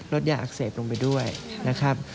ลดยาอักเสบลงไปด้วยนะครับ